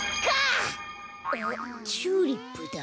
あっチューリップだ。